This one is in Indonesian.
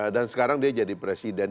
dan sekarang dia jadi presiden